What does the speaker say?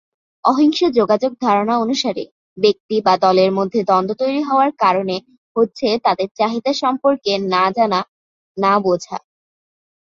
অহিংস যোগাযোগ ধারণা অনুসারে, ব্যক্তি বা দলের মধ্যে দ্বন্দ্ব তৈরি হওয়ার কারণে হচ্ছে তাদের চাহিদা সম্পর্কে না জানা, না বোঝা।